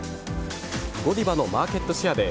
ゴディバのマーケットシェアで